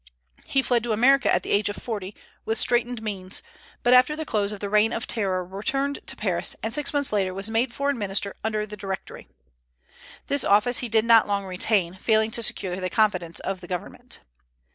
He fled to America at the age of forty, with straitened means, but after the close of the Reign of Terror returned to Paris, and six months later was made foreign minister under the Directory. This office he did not long retain, failing to secure the confidence of the government.